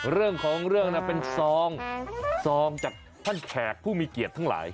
เรื่องของเรื่องเป็นซองซองจากท่านแขกผู้มีเกียรติทั้งหลาย